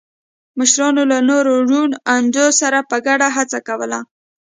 مشرانو له نورو روڼ اندو سره په ګډه هڅه کوله.